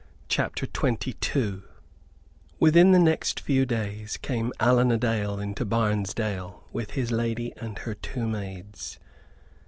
CHAPTER XXII Within the next few days came Allan a Dale into Barnesdale with his lady and her two maids.